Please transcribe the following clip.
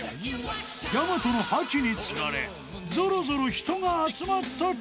［やまとの覇気に釣られぞろぞろ人が集まった結果］